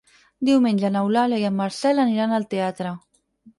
Diumenge n'Eulàlia i en Marcel aniran al teatre.